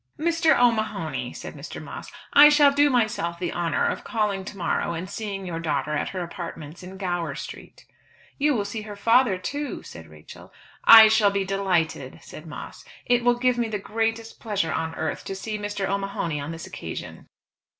"Mr. O'Mahony," said Mr. Moss, "I shall do myself the honour of calling to morrow and seeing your daughter at her apartments in Gower Street." "You will see father too," said Rachel. "I shall be delighted," said Moss. "It will give me the greatest pleasure on earth to see Mr. O'Mahony on this occasion."